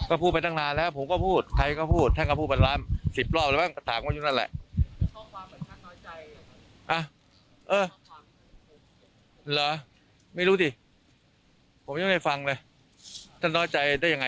หรอไม่รู้สิผมยังไม่ได้ฟังเลยท่านน้อยใจได้ยังไง